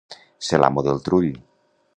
Ser l'amo del trull.